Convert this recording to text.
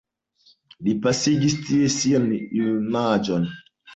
Li pasigis tie sian junaĝon.